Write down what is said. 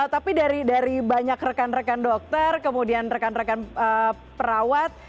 tapi dari banyak rekan rekan dokter kemudian rekan rekan perawat